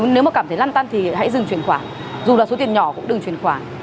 nếu mà cảm thấy lăn tăn thì hãy dừng chuyển khoản dù là số tiền nhỏ cũng đừng chuyển khoản